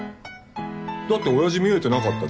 だっておやじ見えてなかったじゃん。